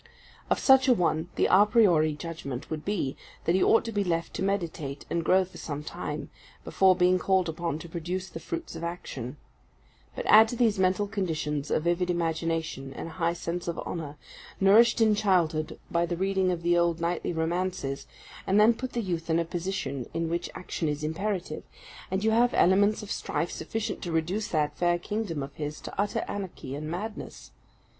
Of such a one, the a priori judgment would be, that he ought to be left to meditate and grow for some time, before being called upon to produce the fruits of action. But add to these mental conditions a vivid imagination, and a high sense of honour, nourished in childhood by the reading of the old knightly romances, and then put the youth in a position in which action is imperative, and you have elements of strife sufficient to reduce that fair kingdom of his to utter anarchy and madness.